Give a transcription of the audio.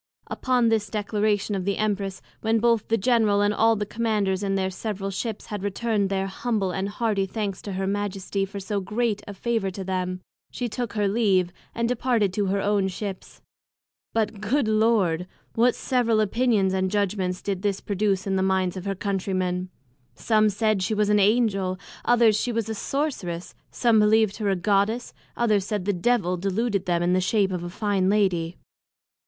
Upon this Declaration of the Empress, when both the General, and all the Commanders in their several Ships, had return'd their humble and hearty Thanks to Her Majesty for so great a favour to them, she took her leave, and departed to her own Ships. But, good Lord! what several Opinions and Judgments did this produce in the minds of her Country men! some said she was an Angel; others, she was a sorceress; some believed her a Goddess; others said the Devil deluded them in the shape of a fine Lady.